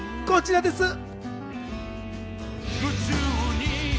こちらです。